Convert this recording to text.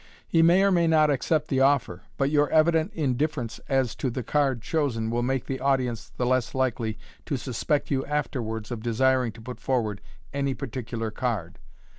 He may or may not accept the offer, but your evident indifference as to the card chosen will make the audience the less likely to suspect you afterwards of desiring to put forward any particular card.